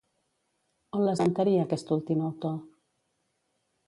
On l'esmentaria aquest últim autor?